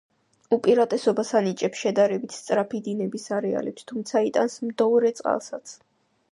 უპირატესობას ანიჭებს შედარებით სწრაფი დინების არეალებს, თუმცა იტანს მდოვრე წყალსაც.